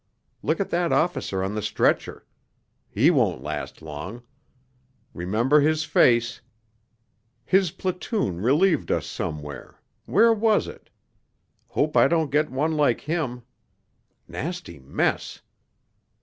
Look at that officer on the stretcher ... he won't last long ... remember his face ... his platoon relieved us somewhere ... where was it?... Hope I don't get one like him ... nasty mess